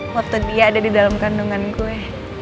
waktu dia ada di dalam kandungan kue